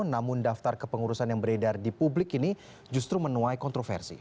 namun daftar kepengurusan yang beredar di publik ini justru menuai kontroversi